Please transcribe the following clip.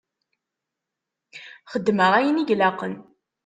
Xeddmeɣ ayen i laqen.